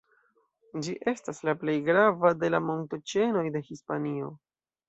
Ĝi estas la plej grava de la montoĉenoj de Hispanio.